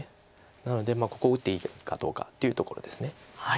なのでここ打っていいかどうかっていうところです。